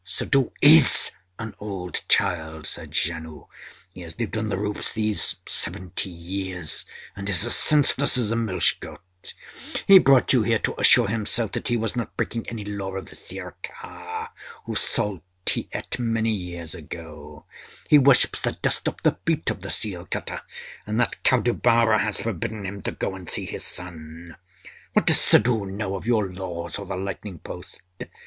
â âSuddhoo IS an old child,â said Janoo. âHe has lived on the roofs these seventy years and is as senseless as a milch goat. He brought you here to assure himself that he was not breaking any law of the Sirkar, whose salt he ate many years ago. He worships the dust off the feet of the seal cutter, and that cow devourer has forbidden him to go and see his son. What does Suddhoo know of your laws or the lightning post?